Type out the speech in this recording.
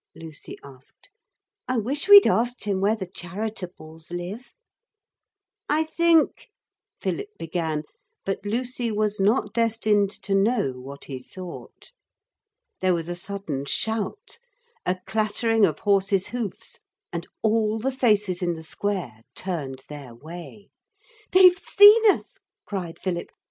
Lucy asked. 'I wish we'd asked him where the Charitables live.' 'I think,' Philip began; but Lucy was not destined to know what he thought. There was a sudden shout, a clattering of horses' hoofs, and all the faces in the square turned their way. 'They've seen us,' cried Philip.